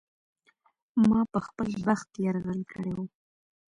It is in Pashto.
ما په خپل بخت یرغل کړی و.